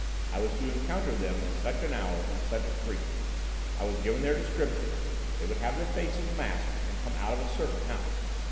I was to encounter them at such an hour, in such a street. I was given their description: they would have their faces masked and come out of a certain house.